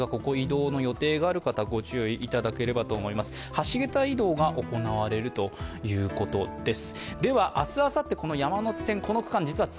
橋桁移動が行われるということです。